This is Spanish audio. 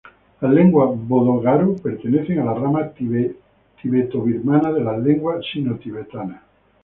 Las lenguas bodo-garo pertenecen a la rama tibeto-birmana de las lenguas sino-tibetanas.